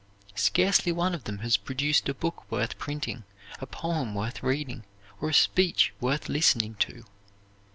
Scarcely one of them has produced a book worth printing, a poem worth reading, or a speech worth listening to.